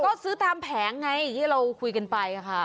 ก็ซื้อตามแผงไงที่เราคุยกันไปค่ะ